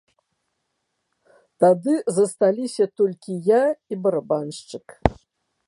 Тады засталіся толькі я і барабаншчык.